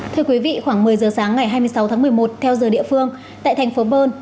thưa quý vị khoảng một mươi giờ sáng ngày hai mươi sáu tháng một mươi một theo giờ địa phương tại thành phố bơn